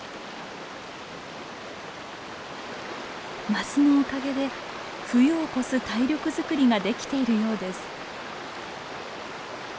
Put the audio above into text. マスのおかげで冬を越す体力づくりができているようです。